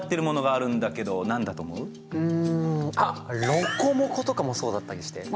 ロコモコとかもそうだったりして。